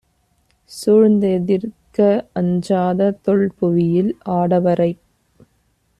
சூழ்ந்தெதிர்க்க அஞ்சாத தொல்புவியில், ஆடவரைப்